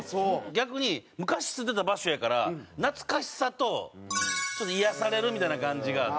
逆に昔住んでた場所やから懐かしさとちょっと癒やされるみたいな感じがあって。